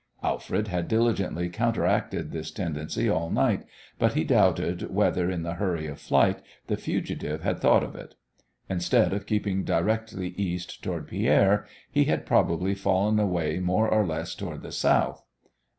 Alfred had diligently counteracted this tendency all night, but he doubted whether, in the hurry of flight, the fugitive had thought of it. Instead of keeping directly east toward Pierre, he had probably fallen away more or less toward the south.